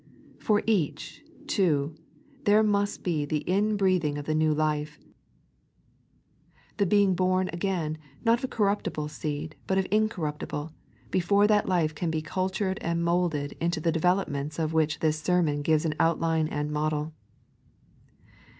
For each, too, there must be the inbreathing of the new life — the being bom again, not of corruptible seed, but of incorruptible — before that life can be cultured and moulded into the developments of which this Sermon gives outline and model.